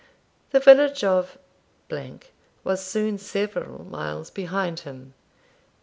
The village of was soon several miles behind him.